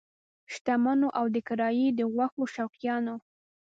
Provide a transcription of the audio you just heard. شتمنو او د کړایي د غوښو شوقیانو!